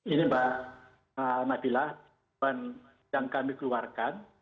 ini mbak nabilah yang kami keluarkan